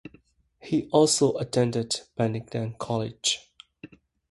He also attended Bennington College.